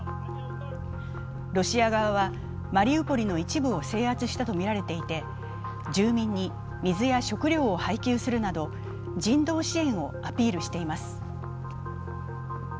ロシア側はマリウポリの一部を制圧したとみられていて住民に水や食料を配給するなど人道支援をアピールしています。